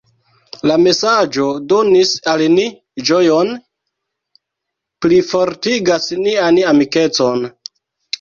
La mesaĝo donis al ni ĝojon, plifortigas nian amikecon.